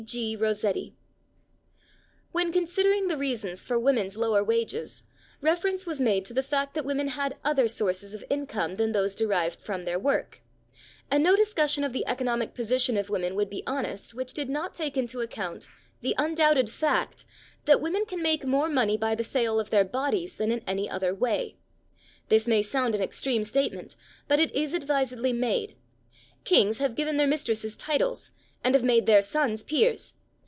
D. G. ROSSETTI. When considering the reasons for women's lower wages, reference was made to the fact that women had other sources of income than those derived from their work; and no discussion of the economic position of women would be honest which did not take into account the undoubted fact that women can make more money by the sale of their bodies than in any other way. This may sound an extreme statement, but it is advisedly made. Kings have given their mistresses titles, and have made their sons peers.